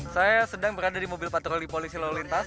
saya sedang berada di mobil patroli polisi lalu lintas